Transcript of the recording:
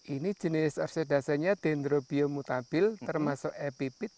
ini jenis arsedasanya dendrobium mutabil termasuk epipit